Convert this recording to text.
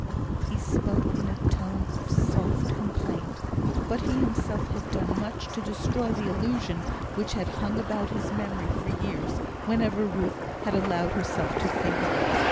He spoke in a tone of soft complaint. But he himself had done much to destroy the illusion which had hung about his memory for years, whenever Ruth had allowed herself to think of it.